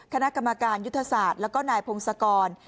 คณะกรรมการยุทธศาสตร์แล้วก็นายพงศกร